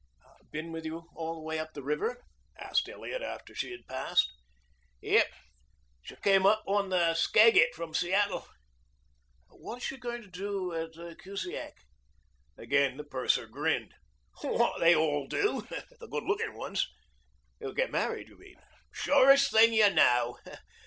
"Been with you all the way up the river?" asked Elliot after she had passed. "Yep. She came up on the Skagit from Seattle." "What is she going to do at Kusiak?" Again the purser grinned. "What do they all do the good looking ones?" "Get married, you mean?" "Surest thing you know.